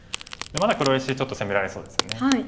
まだ黒石ちょっと攻められそうですよね。